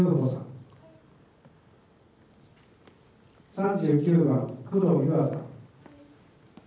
３９番工藤唯愛さん。